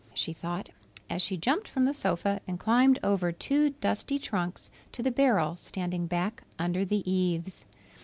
she thought, as she jumped from the sofa and climbed over two dusty trunks to the barrel standing back under the eaves.